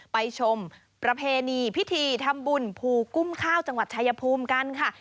ไปชมประเพณีพิธีทำบุญภูกุ้มข้าวจังหวัดชายภูมิกันค่ะ